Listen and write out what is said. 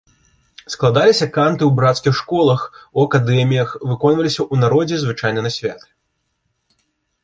Складаліся канты ў брацкіх школах, у акадэміях, выконваліся ў народзе звычайна на святы.